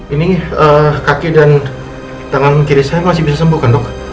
ini kaki dan tangan kiri saya masih bisa sembuh kan dok